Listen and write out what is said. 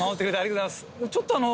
「ちょっとあの」。